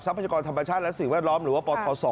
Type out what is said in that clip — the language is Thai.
พยากรธรรมชาติและสิ่งแวดล้อมหรือว่าปทศ